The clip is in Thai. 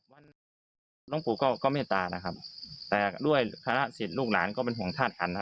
หลวงปู่ก็เมตตานะครับแต่ด้วยคณะศิษย์ลูกหลานก็เป็นห่วงธาตุขัน